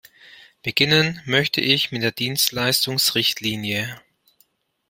Beginnen möchte ich mit der Dienstleistungsrichtlinie.